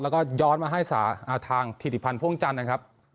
แล้วก็ย้อนมาให้ทางธิติพันธ์พ่วงจันทร์นะครับ